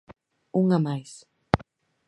Unha máis.